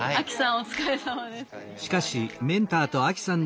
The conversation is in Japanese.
お疲れさまです。